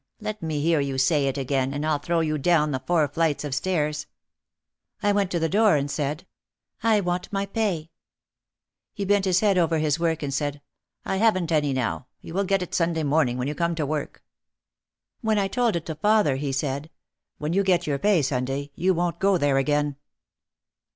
Let me hear you say it again and I'll throw you down the four flights of stairs." I went to the door and said, "I want my pay." He bent his head over his work and said, "I haven't any now. You will get it Sunday morning when you come to work." When I told it to father he said, "When you get your pay Sunday you won't go there again."